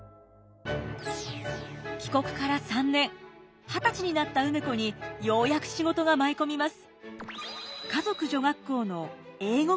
帰国から３年二十歳になった梅子にようやく仕事が舞い込みます。